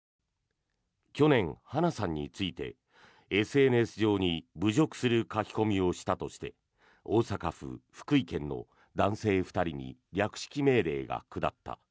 去年、花さんについてＳＮＳ上に侮辱する書き込みをしたとして大阪府、福井県の男性２人に略式命令が下った。